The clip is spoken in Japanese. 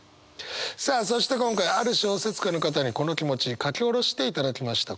さあそして今回ある小説家の方にこの気持ち書き下ろしていただきました。